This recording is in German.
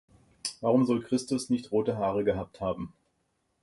Warum soll Christus nicht rothe Haare gehabt haben?